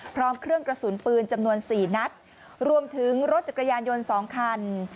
พร้อมเครื่องกระสุนปืนจำนวน๔นัดรวมถึงรถจักรยานยนต์๒คัน